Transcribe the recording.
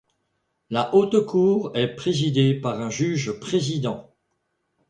La Haute Cour est présidée par un Juge-Président.